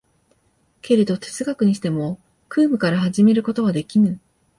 けれど哲学にしても空無から始めることはできぬ。